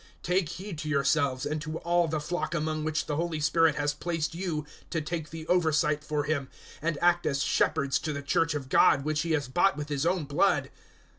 020:028 "Take heed to yourselves and to all the flock among which the Holy Spirit has placed you to take the oversight for Him and act as shepherds to the Church of God, which He has bought with His own blood.